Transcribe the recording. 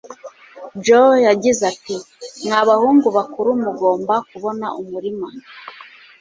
Joe yagize ati Mwa bahungu bakuru mugomba kubona umurima